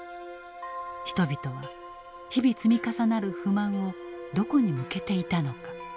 人々は日々積み重なる不満をどこに向けていたのか？